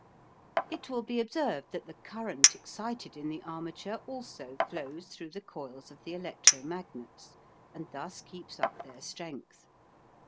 It will be observed that the current excited in the armature also flows through the coils of the electro magnets, and thus keeps up their strength.